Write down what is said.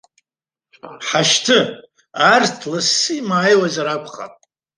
Ҳашьҭы, арҭ лассы имааиуазар акәхап.